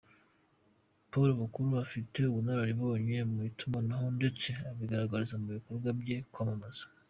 Paul Bakuru afite ubunararibonye mu itumanaho ndetse abigaragariza mu bikorwa byo kwamamaza.